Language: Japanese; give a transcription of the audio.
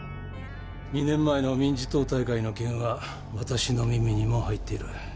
２年前の民事党大会の件は私の耳にも入っている。